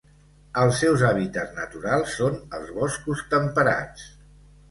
Els seus hàbitats naturals són els boscos temperats.